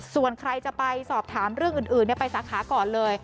ส่วนใครจะไปสอบถามเรื่องอื่นไปสาขาก่อนเลย